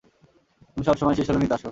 তুমি সবসময় শেষ হলে নিতে আসো।